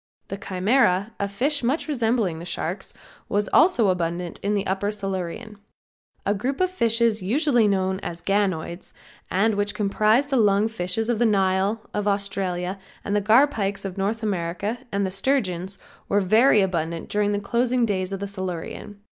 The Chimera, a fish much resembling the sharks, was also abundant in the upper Silurian. A group of fishes usually known as ganoids and which comprise the lung fishes of the Nile, of Australia, the garpikes of North America and the sturgeons, were very abundant during the closing days of the Silurian.